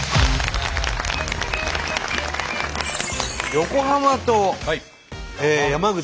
横浜と山口。